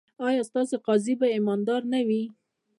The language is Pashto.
ایا ستاسو قاضي به ایماندار نه وي؟